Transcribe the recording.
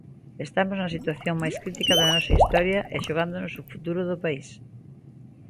Estamos na situación máis crítica da nosa historia e xogándonos o futuro do país.